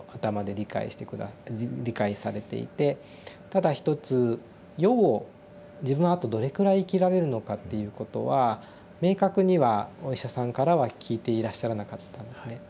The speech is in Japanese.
ただ一つ予後自分はあとどれくらい生きられるのかっていうことは明確にはお医者さんからは聞いていらっしゃらなかったんですね。